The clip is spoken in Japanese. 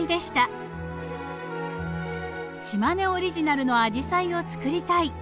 島根オリジナルのアジサイをつくりたい。